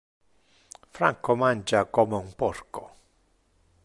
Franco mangia como un porco.